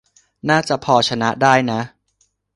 น่าจะพอชนะได้นะ